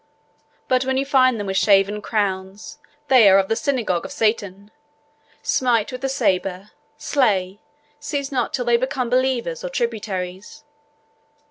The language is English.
But when you find them with shaven crowns, they are of the synagogue of Satan! Smite with the sabre, slay, cease not till they become believers or tributaries.'